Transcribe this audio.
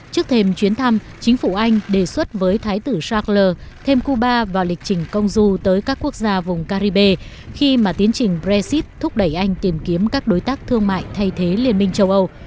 trước thêm chuyến thăm chính phủ anh đề xuất với thái tử shackler thêm cuba vào lịch trình công du tới các quốc gia vùng caribe khi mà tiến trình brexit thúc đẩy anh tìm kiếm các đối tác thương mại thay thế liên minh châu âu